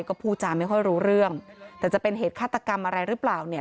ก็พูดจาไม่ค่อยรู้เรื่องแต่จะเป็นเหตุฆาตกรรมอะไรหรือเปล่าเนี่ย